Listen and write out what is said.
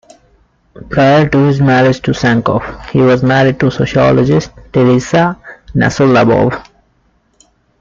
Prior to his marriage to Sankoff, he was married to sociologist Teresa Gnasso Labov.